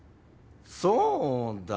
そうだ。